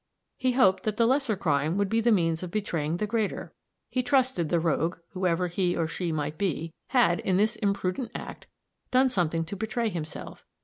He hoped that the lesser crime would be the means of betraying the greater. He trusted the rogue, whoever he or she might be, had, in this imprudent act, done something to betray himself.